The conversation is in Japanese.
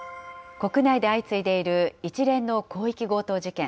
国内で相次いでいる一連の広域強盗事件。